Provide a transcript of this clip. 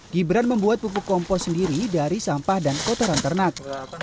gibran membuat pupuk kompos sendiri dari sampah dan kotoran ternak